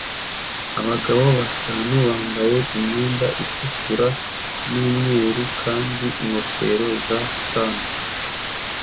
Abagabo batanu bambaye imyenda itukura n'umweru kandi ingofero za Santa